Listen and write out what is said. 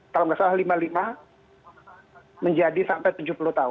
kalau nggak salah lima puluh lima menjadi sampai tujuh puluh tahun